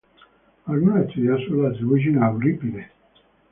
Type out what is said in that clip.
Algunos estudiosos la atribuyen a Eurípides.